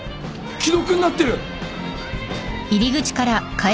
既読になってる！